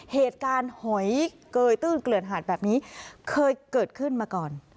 เหตุการณ์หอยเกลือดหันแบบนี้เคยเกิดขึ้นมาก่อน